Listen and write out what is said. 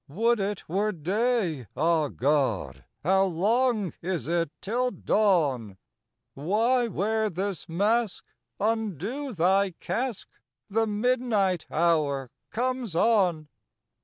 "Would it were day, ah God! How long is it till dawn? Why wear this mask? Undo thy casque! The midnight hour comes on!"